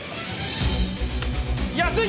安い！